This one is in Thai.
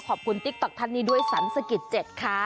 ขอบคุณติ๊กต๊อกท่านนี้ด้วยสันศกิจ๗ค่ะ